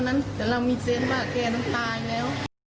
แต่เรามีเซนว่าแกต้องตายแล้ว